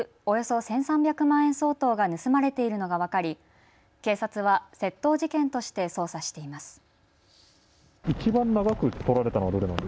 およそ１３００万円相当が盗まれているのが分かり警察は窃盗事件として捜査しています。